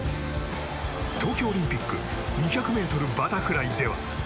東京オリンピック２００ｍバタフライでは。